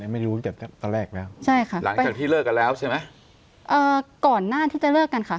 ไม่รู้ตั้งแต่ตอนแรกแล้วใช่ค่ะหลังจากที่เลิกกันแล้วใช่ไหมเอ่อก่อนหน้าที่จะเลิกกันค่ะ